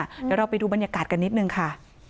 เดี๋ยวเราไปดูบรรยากาศกันนิดนึงค่ะ